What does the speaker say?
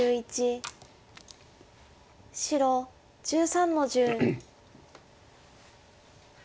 白１３の十。